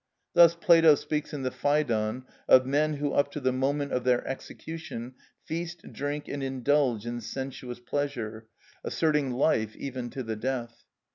Thus Plato speaks in the "Phædon" of men who up to the moment of their execution feast, drink, and indulge in sensuous pleasure, asserting life even to the death.